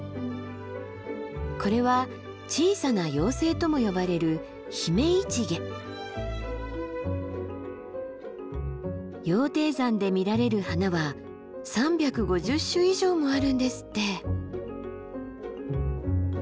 これは「小さな妖精」とも呼ばれる羊蹄山で見られる花は３５０種以上もあるんですって。